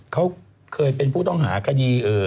เขาเคยเป็นผู้ต้องหาคดี